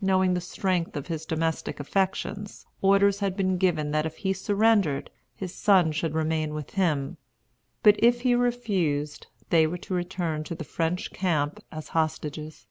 Knowing the strength of his domestic affections, orders had been given that if he surrendered, his sons should remain with him, but if he refused they were to return to the French camp as hostages.